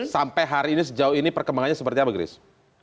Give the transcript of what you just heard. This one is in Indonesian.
sampai hari ini sejauh ini perkembangannya seperti apa grace